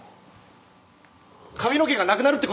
髪の毛がなくなるってことですか！？